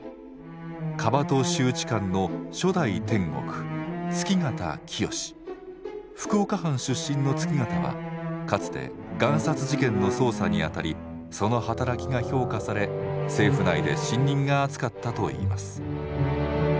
樺戸集治監の福岡藩出身の月形はかつて贋札事件の捜査にあたりその働きが評価され政府内で信任が厚かったといいます。